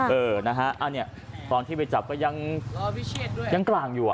เออนะฮะอันนี้ตอนที่ไปจับก็ยังกลางอยู่